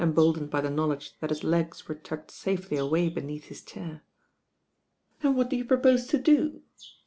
boldened by the knowledge that hb l.« ' '"j tucked safely away beneath his chair. *^* And what do you propose to do?"